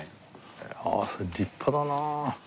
ああ立派だなあ。